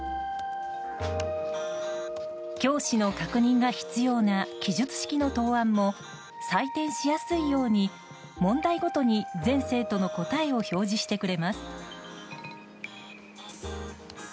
教師の確認が必要な記述式の答案も採点しやすいように問題ごとに全生徒の答えを表示してくれます。